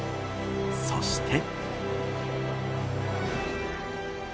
そして。